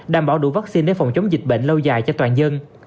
đảm bảo đủ vaccine để phòng chống dịch bệnh lâu dài cho toàn dân